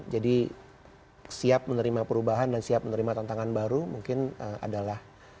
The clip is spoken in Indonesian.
jadi siap menerima perubahan dan siap menerima tantangan baru mungkin adalah